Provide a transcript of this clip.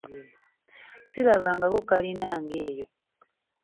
Sirabangako kalina ng'eyo.